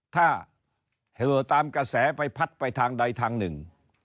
ถ้าเหอตามกระแสไปพัดไปทางใดทางหนึ่ง